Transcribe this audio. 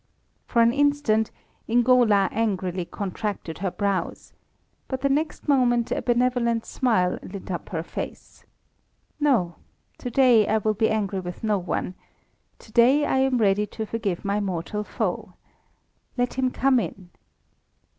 For an instant, Ingola angrily contracted her brows, but the next moment a benevolent smile lit up her face. "No. To day I will be angry with no one. To day I am ready to forgive my mortal foe. Let him come in."